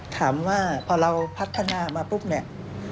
ถามว่าพอเราพัฒนามาปุ๊บเนี่ย